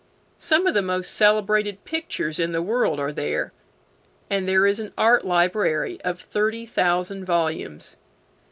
Some of the most celebrated pictures in the world are there, and there is an art library of thirty thousand volumes.